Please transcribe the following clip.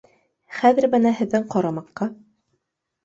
Хәҙер бына һеҙҙең ҡарамаҡҡа